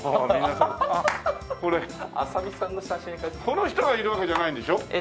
この人がいるわけじゃないんでしょ？